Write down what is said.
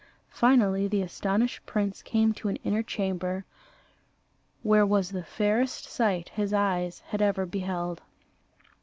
Finally the astonished prince came to an inner chamber, where was the fairest sight his eyes had ever beheld.